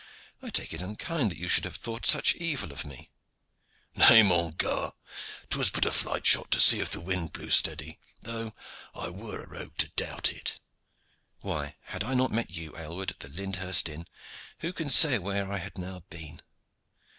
I take it unkind that you should have thought such evil of me." "Nay, mon gar. 'Twas but a flight shot to see if the wind blew steady, though I were a rogue to doubt it." "Why, had I not met you, Aylward, at the Lynhurst inn, who can say where I had now been!